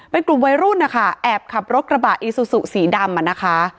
เป็นกลุ่มวัยรุ่นนะคะแอบขับรถกระบะอีซูซูสีดำอ่ะนะคะ